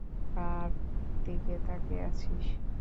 কার দিকে তাকিয়ে আছিস?